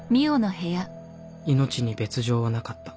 命に別状はなかった。